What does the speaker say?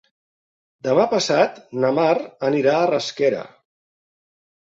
Demà passat na Mar anirà a Rasquera.